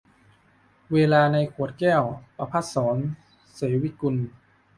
เวลาในขวดแก้ว - ประภัสสร เสวิกุล